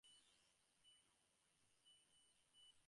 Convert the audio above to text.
আপনাকে গুণের দ্বারা আকর্ষণ করতে হবে, সুতরাং আপনাকে পৃথক থাকতে হবে।